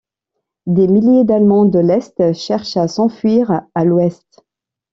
Des milliers d'Allemands de l'est cherchent à s'enfuir à l'Ouest.